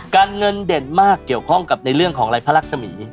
เงินเด่นมากเกี่ยวข้องกับในเรื่องของอะไรพระรักษมี